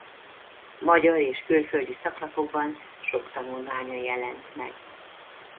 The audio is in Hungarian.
Magyar és külföldi szaklapokban sok tanulmánya jelent meg.